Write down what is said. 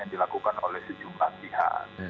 yang dilakukan oleh sejumlah pihak